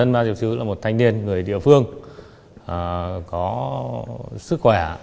marcel chứa là một thanh niên người địa phương có sức khỏe